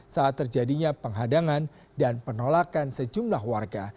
saat terjadinya penghadangan dan penolakan sejumlah warga